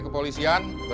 bapak bisa mencoba